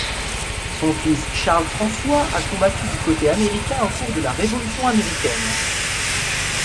Son fils Charles-François a combattu du côté américain au cours de la révolution américaine.